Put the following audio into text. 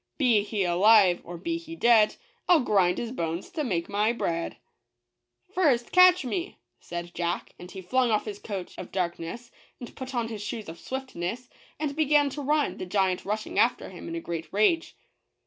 Be he alive — or be he dead — I'll grind his bones to make my bread !" ''First, catch me," said Jack, and he flung off his coat oi darkness and put on his shoes of swiftness, and began to run, the giant rushing after him in a great rage.